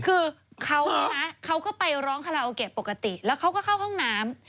คือเขาก็ไปร้องคาราโอเกะปกติแล้วเขาก็เข้าห้องน้ำ